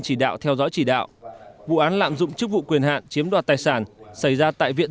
chỉ đạo theo dõi chỉ đạo vụ án lạm dụng chức vụ quyền hạn chiếm đoạt tài sản xảy ra tại viện